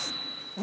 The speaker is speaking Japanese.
何？